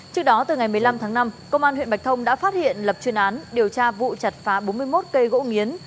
trước đó từ ngày một mươi năm tháng năm công an huyện bạch thông đã phát hiện lập chuyên án điều tra vụ chặt phá bốn mươi một cây gỗ nghiến